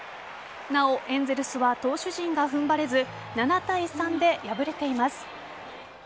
なお、エンゼルスは投手陣が踏ん張れず、７対３で敗れています。